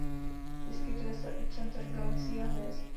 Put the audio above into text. Vyskytuje se u center galaxií a hvězd.